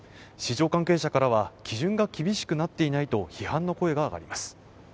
市場関係者からは基準が厳しくなっていないと批判の声が上がります。